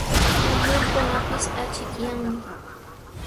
Quyllurkunapis achikyanmi.